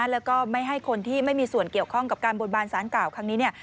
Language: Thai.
แล้วก็ไม่ให้คนที่ไม่มีส่วนเกี่ยวข้องกับการบนบานสารเก่าครั้งนี้